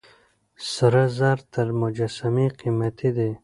سره زر تر مجسمې قيمتي دي.